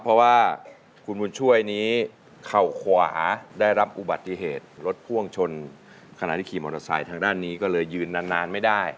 เพราะว่าคุณบุญช่วยนี้เข่าขวาได้รับอุบัติเหตุรถพ่วงชนขณะที่ขี่มอเตอร์ไซค์ทางด้านนี้ก็เลยยืนนานไม่ได้